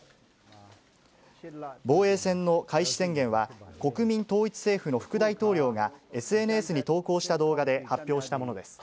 防衛戦の開始宣言は、国民統一政府の副大統領が、ＳＮＳに投稿した動画で発表したものです。